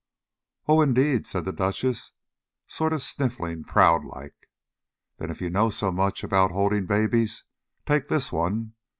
"Oh, indeed!" said the Duchess, sort of sniffing proud like. "Then if you know so much about holding babies, take this one.